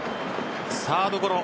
サードゴロ。